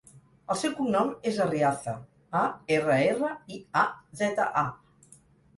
El seu cognom és Arriaza: a, erra, erra, i, a, zeta, a.